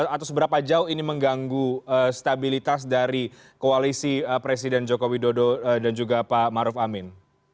atau seberapa jauh ini mengganggu stabilitas dari koalisi presiden jokowi dodo dan juga pak maruf amin